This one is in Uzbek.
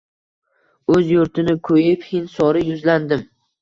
O’z yurtni ko’yib, Hind sori yuzlandim